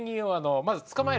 まず捕まえて。